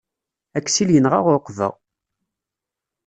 Aksil yenɣa ɛuqba.